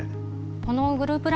このグループ